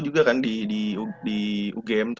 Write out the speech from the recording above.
juga kan di ugm